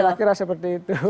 kira kira seperti itu